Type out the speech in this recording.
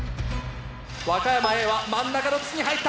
和歌山Ａは真ん中の筒に入った！